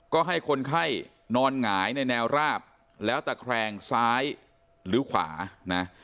ก็ให้คนไข้นอนหงายในแนวราบแล้วตะแครงซ้ายหรือขวานะ